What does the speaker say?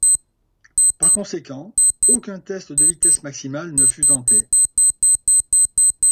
Par conséquent, aucun test de vitesse maximale ne fut tenté.